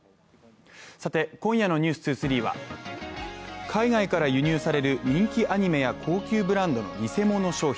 今夜の「ｎｅｗｓ２３」は海外から輸入される人気アニメや高級ブランドの偽物商品。